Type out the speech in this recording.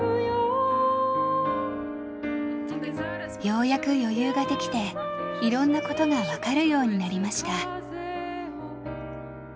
Ｔｈａｎｋｙｏｕ．ようやく余裕ができていろんなことが分かるようになりました。